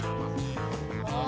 あ！